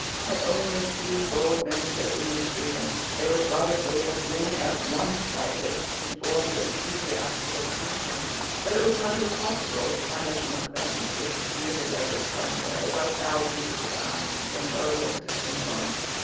Had only a few bold men taken this freedom, they would probably have been at once cited before the Ecclesiastical Commission; but it was hardly possible to punish an offence which was committed every Sunday by thousands of divines, from Berwick to Penzance.